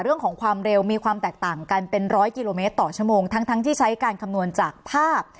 เรื่องของความเร็วมีความแตกต่างกันเป็นร้อยกิโลเมตรต่อชั่วโมงทั้งทั้งที่ใช้การคำนวณจากภาพ